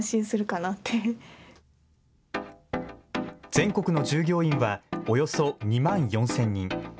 全国の従業員はおよそ２万４０００人。